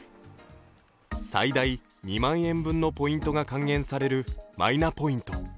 最大２万円分のポイントが還元されるマイナポイント。